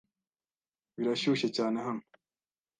Birashyushye cyane hano.